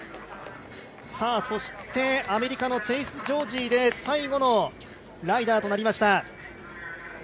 そしてアメリカのチェイス・ジョージーで、最後のライダーとなりました。